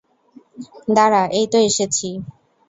দাঁড়া, এইতো এসেছি।